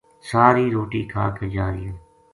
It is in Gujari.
ساری روٹی کھا کے جا رہیو